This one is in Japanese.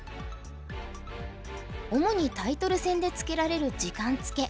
主にタイトル戦で付けられる時間付け。